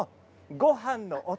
ごはんのお供？